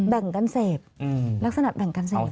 แบ่งกันเสพลักษณะแบ่งการเสพ